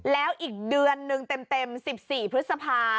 แล้วอีกเดือนนึงเต็ม๑๔พฤษภา